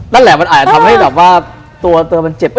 แล้วแหละมันอาจจะทำให้ตัวเจ็บ